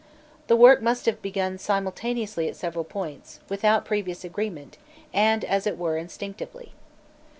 The work must have begun simultaneously at several points, without previous agreement, and, as it were, instinctively.